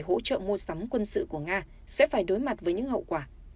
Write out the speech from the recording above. hỗ trợ mua sắm quân sự của nga sẽ phải đối mặt với những hậu quả